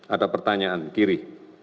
ada pertanyaan kiri